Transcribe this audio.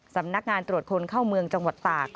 สำนักงานตรวจคนเข้าเมืองจังหวัดตาก